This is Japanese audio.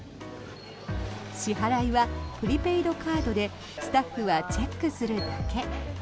支払いはプリペイドカードでスタッフはチェックするだけ。